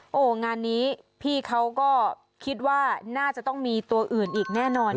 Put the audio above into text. โอ้โหงานนี้พี่เขาก็คิดว่าน่าจะต้องมีตัวอื่นอีกแน่นอน